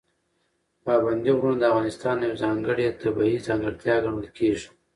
پابندي غرونه د افغانستان یوه ځانګړې طبیعي ځانګړتیا ګڼل کېږي.